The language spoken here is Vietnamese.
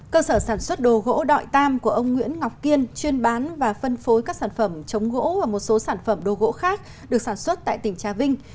cơ sở sản xuất đồ gỗ đọi tam của ông nguyễn ngọc kiên chuyên bán và phân phối các sản phẩm chống gỗ và một số sản phẩm đồ gỗ khác được sản xuất tại tỉnh trà vinh